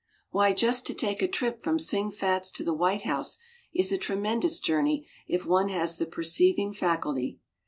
Why, just to take a trip from Sing Fat's to the White House is a tremendous journey if one has the perceiving faculty.